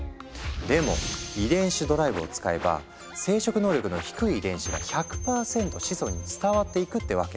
でも遺伝子ドライブを使えば生殖能力の低い遺伝子が１００％子孫に伝わっていくってわけ。